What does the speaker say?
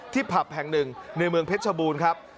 ผับแห่งหนึ่งในเมืองเพชรชบูรณ์ครับ